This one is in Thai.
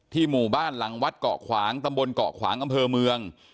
หมู่บ้านหลังวัดเกาะขวางตำบลเกาะขวางอำเภอเมือง